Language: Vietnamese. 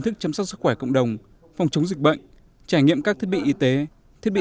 thức chăm sóc sức khỏe cộng đồng phòng chống dịch bệnh trải nghiệm các thiết bị y tế thiết bị